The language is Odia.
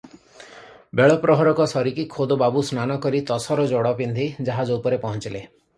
ବେଳ ପ୍ରହରକ ସରିକି ଖୋଦ ବାବୁ ସ୍ନାନସାରି ତସର ଯୋଡ଼ ପିନ୍ଧି ଜାହାଜ ଉପରେ ପହଞ୍ଚିଲେ ।